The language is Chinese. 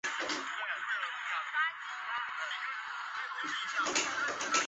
天钿女命。